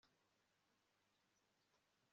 nubwo inshuro nyinshi hakonje, ubutayu, nijimye